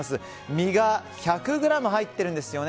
身が１００ｇ入ってるんですよね。